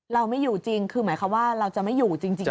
เราไม่อยู่จริงคือหมายความว่าเราจะไม่อยู่จริง